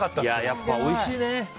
やっぱおいしいね。